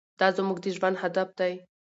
دا زموږ د ژوند هدف دی.